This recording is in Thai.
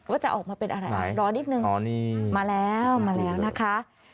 ว่าจะออกมาเป็นอะไรรอนิดนึงมาแล้วมาแล้วนะคะ